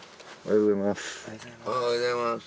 おはようございます。